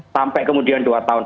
sampai kemudian dua tahun